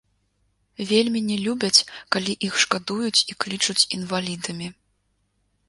Вельмі не любяць, калі іх шкадуюць і клічуць інвалідамі.